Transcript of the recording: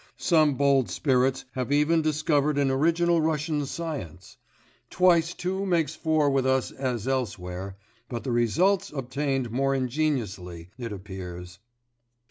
Some bold spirits have even discovered an original Russian science; twice two makes four with us as elsewhere, but the result's obtained more ingeniously, it appears.